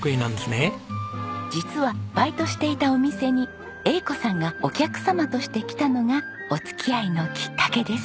実はバイトしていたお店に栄子さんがお客様として来たのがお付き合いのきっかけです。